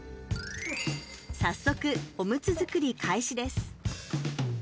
早速、おむつ作り開始です。